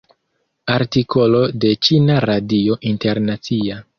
Artikolo de Ĉina Radio Internacia.